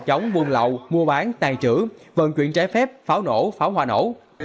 chống buôn lậu mua bán tàn trữ vận chuyển trái phép pháo nổ pháo hoa nổ